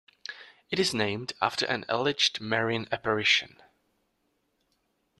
It is named after an alleged Marian apparition.